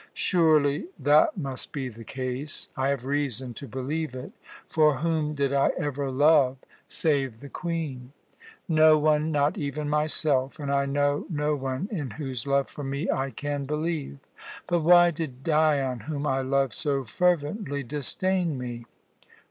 Surely that must be the case. I have reason to believe it, for whom did I ever love save the Queen? No one, not even myself, and I know no one in whose love for me I can believe. But why did Dion, whom I loved so fervently, disdain me?